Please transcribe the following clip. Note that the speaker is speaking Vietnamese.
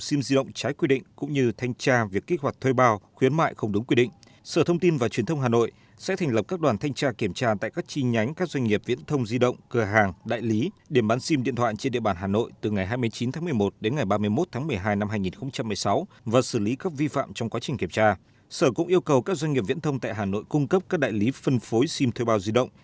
sở cũng yêu cầu các doanh nghiệp viễn thông tại hà nội cung cấp các đại lý phân phối sim thuê bào di động